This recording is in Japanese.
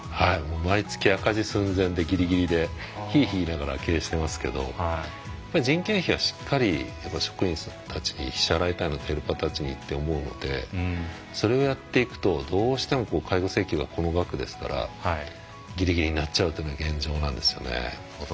毎月、赤字寸前でぎりぎりで、ひいひい言いながら経営してますけど人件費はしっかり職員たちに支払えたら、ヘルパーたちにと思うのでそれをやっていくと、どうしても介護請求が、この額ですからぎりぎりになっちゃうというのが現状なんですよね。